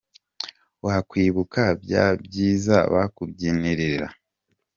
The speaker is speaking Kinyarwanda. Wakwibuka bya byiza bakubyinirira